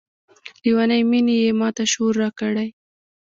لیونۍ میني یې ماته شعور راکړی